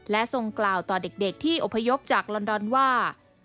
และทรงกล่าวต่อเด็กที่อพยพจากลอนดอนว่า